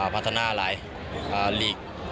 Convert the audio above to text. พัฒนาหลายลีก